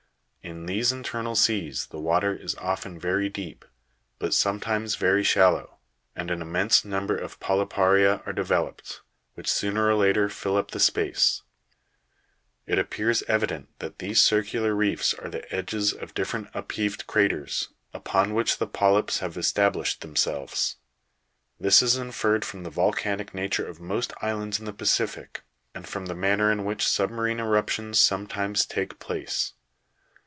In these internal seas the water is often very deep but sometimes very shallow, and an immense number of polypa'ria are developed, which sooner or later fill up the space. It appears evident that these circular reefs are the edges of different upheaved craters, upon which the polyps have established them selves ; this is inferred from the volcanic nature of most islands in the Pacific, and from the manner in \vhich submarine eruptions sometimes take place.